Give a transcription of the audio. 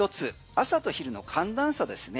朝と昼の寒暖差ですね